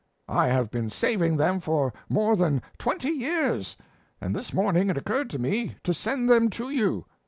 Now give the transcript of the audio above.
I have been saving them for more than twenty years, and this morning it occurred to me to send them to you.